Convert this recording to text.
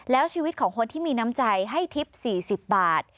แล้วชีวิตของคนที่มีน้ำใจให้ทิพย์๔๐บาท